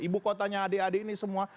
ibu kotanya adik adik ini semua